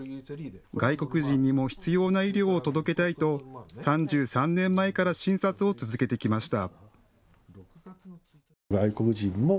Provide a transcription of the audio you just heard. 外国人にも必要な医療を届けたいと３３年前から診察を続けてきました。